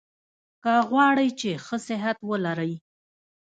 که غواړی چي ښه صحت ولرئ؟